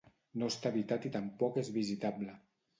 No està habitat i tampoc és visitable.